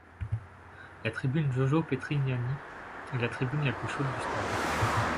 La tribune Jojo-Petrignani est la tribune la plus chaude du stade.